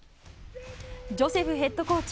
ジョセフヘッドコーチ